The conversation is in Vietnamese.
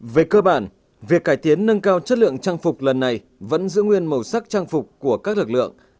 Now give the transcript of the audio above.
về cơ bản việc cải tiến nâng cao chất lượng trang phục lần này vẫn giữ nguyên màu sắc trang phục của các lực lượng